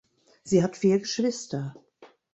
Sie hat vier Geschwister.